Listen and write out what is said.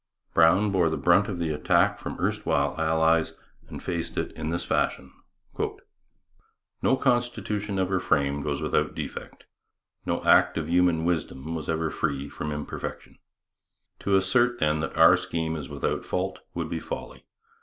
Brown bore the brunt of the attack from erstwhile allies and faced it in this fashion: No constitution ever framed was without defect; no act of human wisdom was ever free from imperfection.... To assert then that our scheme is without fault, would be folly.